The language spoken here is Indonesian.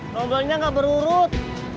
nombelnya nggak berurut